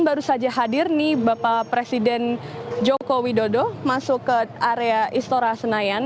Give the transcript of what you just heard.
baru saja hadir nih bapak presiden joko widodo masuk ke area istora senayan